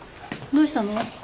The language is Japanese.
どうしたの？